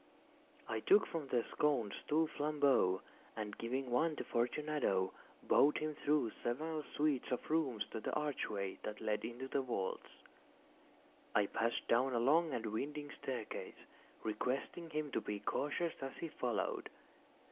I took from their sconces two flambeaux, and giving one to Fortunato, bowed him through several suites of rooms to the archway that led into the vaults. I passed down a long and winding staircase, requesting him to be cautious as he followed.